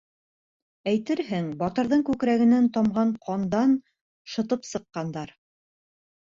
Әйтерһең, батырҙың күкрәгенән тамған ҡандан шытып сыҡҡандар.